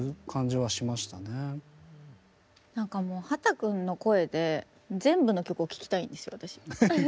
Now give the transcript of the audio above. なんかもう秦くんの声で全部の曲を聴きたいんです私。